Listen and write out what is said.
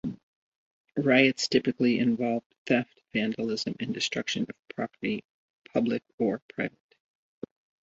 Riots typically involve theft, vandalism, and destruction of property, public or private.